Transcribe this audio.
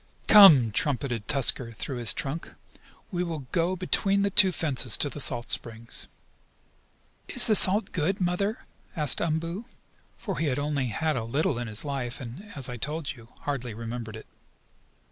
"Come!" trumpeted Tusker through his trunk, "we will go between the two fences to the salt springs." "Is the salt good, Mother?" asked Umboo, for he had only had a little in his life, and as I told you, hardly remembered it.